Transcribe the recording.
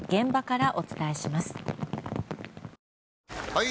・はい！